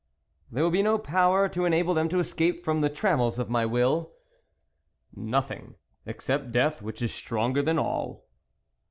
"There will be no power to enable them to escape from the trammels of my will ?" "Nothing, except death, which is stronger than all."